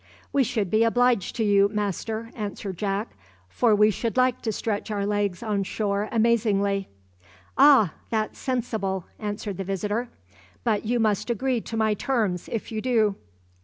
"We should be obliged to you, master," answered Jack; "for we should like to stretch our legs on shore amazingly." "Ah, that's sensible!" answered the visitor; "but you must agree to my terms if you do."